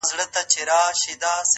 ته نو اوس راسه. له دوو زړونو تار باسه.